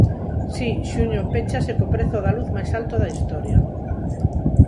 Si, xuño péchase co prezo da luz máis alto da historia.